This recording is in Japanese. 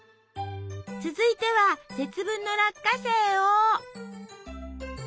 続いては節分の落花生を。